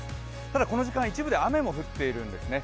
ただ、この時間、一部で雨も降っているんですね。